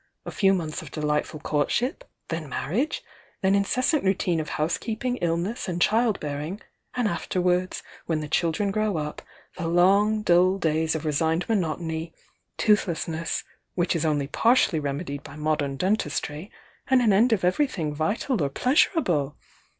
A few months of delightful courtship, — then marriage — then inces sant routine of housekeeping, illness and child bear ing—and afterwards, when ttie children grow up, the long dull days of resigned monotony; toothlessness, which is only partially remedied by modem den tistry, and an end of everything vital or pleasurable!